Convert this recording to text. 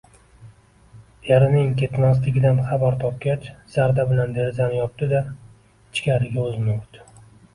Erining ketmasligidan xabar topgach, zarda bilan derazani yopdi-da, ichkariga o`zini urdi